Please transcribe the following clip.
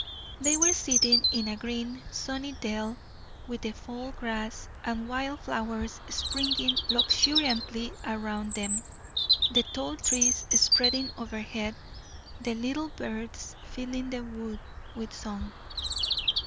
They were sitting in a green, sunny dell, with the fall grass and wild flowers springing luxuriantly around them, the tall trees spreading overhead, the little birds filling the wood with song.